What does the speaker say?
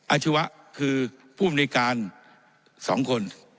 อาชีวะคือผู้บริการ๒คน